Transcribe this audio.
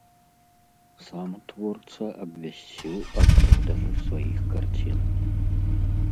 Сам творца абвясціў аб продажы сваіх карцін.